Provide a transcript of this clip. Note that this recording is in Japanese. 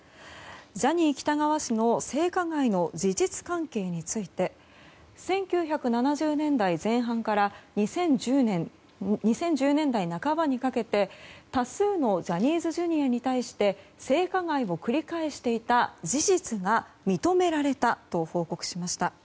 ジャニー喜多川氏の性加害の事実関係について１９７０年代前半から２０１０年代半ばにかけて多数のジャニーズＪｒ．に対して性加害を繰り返していた事実が認められたと報告しました。